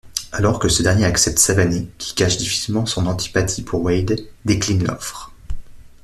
Alors que ce dernier accepte, Savané—qui cache difficilement son antipathie pour Wade—décline l'offre.